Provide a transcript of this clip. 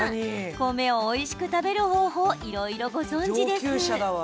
米をおいしく食べる方法いろいろご存じです。